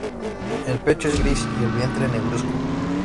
El pecho es gris y el vientre negruzco.